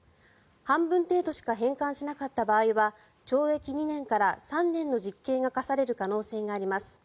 半分程度しか返還しなかった場合は懲役２年から３年の実刑が科される可能性があります。